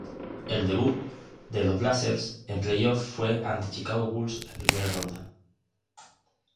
El debut de los Blazers en playoffs fue ante Chicago Bulls en primera ronda.